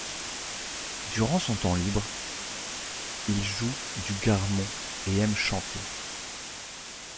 Durant son temps libre, il joue du garmon et aime chanter.